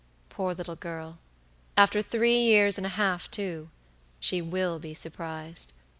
Poor little girl. After three years and a half, too; she will be surprised."